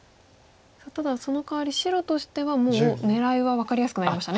さあただそのかわり白としてはもう狙いは分かりやすくなりましたね。